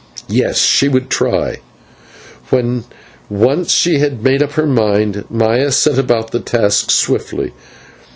Yes, she would try it! When once she had made up her mind Maya set about the task swiftly.